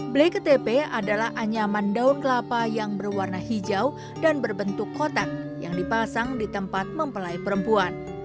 blai ktp adalah anyaman daun kelapa yang berwarna hijau dan berbentuk kotak yang dipasang di tempat mempelai perempuan